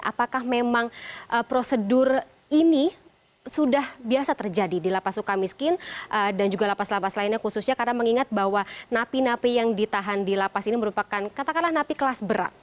apakah memang prosedur ini sudah biasa terjadi di lapas suka miskin dan juga lapas lapas lainnya khususnya karena mengingat bahwa napi napi yang ditahan di lapas ini merupakan katakanlah napi kelas berat